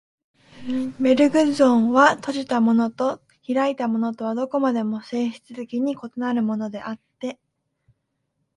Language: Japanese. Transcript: ベルグソンは、閉じたものと開いたものとはどこまでも性質的に異なるものであって、